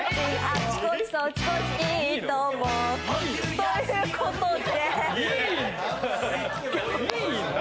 ということで。